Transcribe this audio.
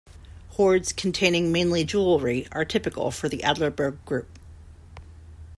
Hoards containing mainly jewellery are typical for the Adlerberg-group.